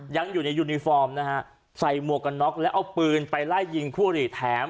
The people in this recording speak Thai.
ยังอยู่ในยูนิฟอร์มนะฮะใส่หมวกกันน็อกแล้วเอาปืนไปไล่ยิงคู่อริแถม